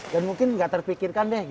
dan mungkin gak terpikirkan deh